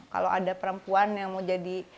kalau ada perempuan yang mau jadi